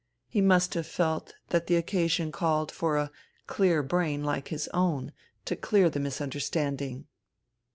He must have felt that the occasion called for a clear brain like his own to clear the misunderstanding.